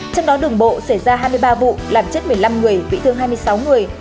trong đó đường bộ xảy ra hai mươi ba vụ làm chết một mươi năm người bị thương hai mươi sáu người